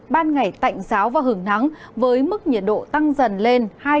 ban ngày tạnh giáo và hưởng nắng với mức nhiệt độ tăng dần lên